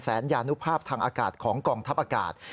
ยานุภาพทางอากาศของกองทัพอากาศ